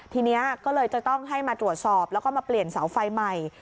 ทีนี้ก็เลยจะต้องให้มาตรวจสอบแล้วก็มาเปลี่ยนเสาไฟใหม่